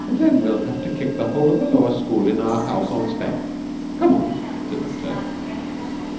"Then we'll have to kick the whole of the lower school in our house on spec. Come on," said McTurk.